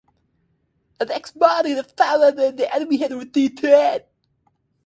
Next morning they found that the enemy had retreated.